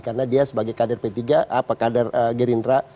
karena dia sebagai kader p tiga apa kader gerindra